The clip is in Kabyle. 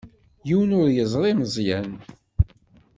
Yiwen ur yeẓri Meẓyan.